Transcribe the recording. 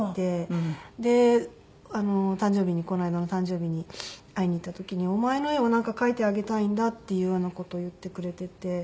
で誕生日にこの間の誕生日に会いに行った時に「お前の絵を描いてあげたいんだ」っていうような事を言ってくれていて。